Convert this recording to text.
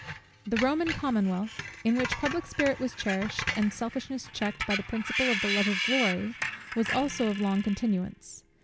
The Roman commonwealth, in which public spirit was cherished, and selfishness checked, by the principle of the love of glory, was also of long continuance.